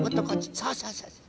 そうそうそうそう。